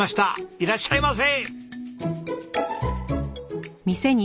いらっしゃいませ！